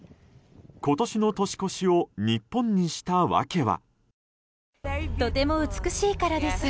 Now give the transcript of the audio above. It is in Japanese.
今年の年越しを日本にした訳は。